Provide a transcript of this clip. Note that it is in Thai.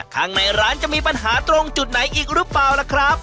ข้างในร้านจะมีปัญหาตรงจุดไหนอีกหรือเปล่าล่ะครับ